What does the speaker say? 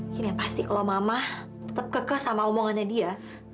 gini yang pasti kalau mama tetap kekeh sama omongannya dia